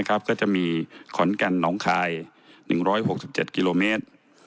ก็จะมีขอนแก่นหนองคาย๑๖๗กิโลเมตร